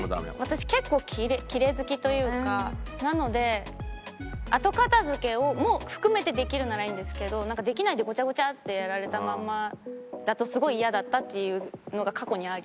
私結構キレイ好きというかなので後片付けも含めてできるならいいんですけどできないでゴチャゴチャってやられたまんまだとすごいイヤだったっていうのが過去にあり。